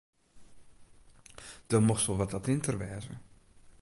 Do mochtst wol wat attinter wêze.